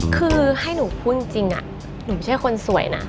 คือให้หนูพูดจริงหนูไม่ใช่คนสวยนะ